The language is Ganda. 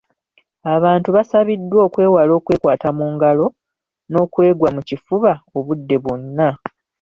Abantu basabiddwa okwewala okwekwata mu ngalo n'okwegwa mu kifuba obudde bwonna.